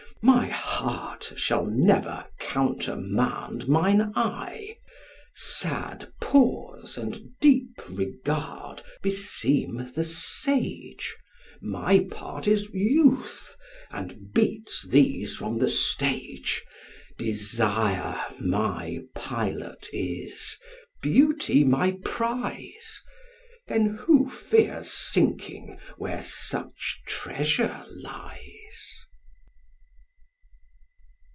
My heart shall never countermand mine eye: Sad pause and deep regard beseem the sage; My part is youth, and beats these from the stage: Desire my pilot is, beauty my prize; Then who fears sinking where such treasure lies?'